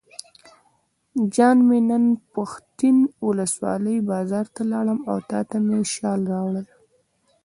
جان مې نن پښتین ولسوالۍ بازار ته لاړم او تاته مې شال راوړل.